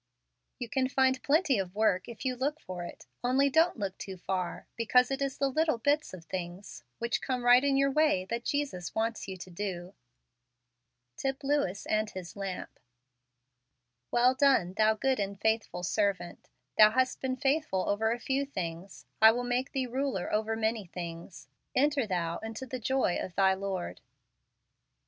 You can find plenty of work if you look for it; only don't look too far, because it is the little bits of things, which come right in your way, that Jesus wants yon to do. Tip Lewis and Ilis Lamp. " Well done , thou good and faithful servant; thou hast been faithful over a feic things , lie ill make thee ruler over many things: enter thou into the joy of thy Lord."